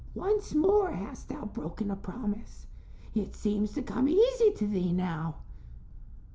"Once more hast thou broken a promise. It seems to come easy to thee now."